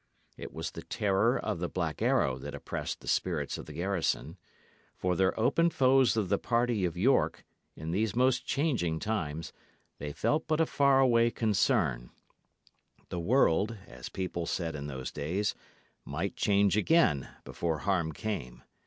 It was the terror of the Black Arrow that oppressed the spirits of the garrison. For their open foes of the party of York, in these most changing times, they felt but a far away concern. "The world," as people said in those days, "might change again" before harm came.